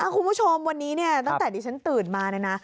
คุณผู้ชมวันนี้ตั้งแต่ที่ฉันตื่นมานะ